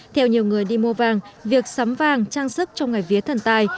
theo nhiều người đi mua vàng việc sắm vàng trang sức trong ngày vía thần tài